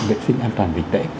vệ sinh an toàn vĩnh tệ